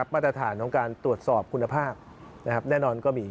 มาตรฐานของการตรวจสอบคุณภาพแน่นอนก็มี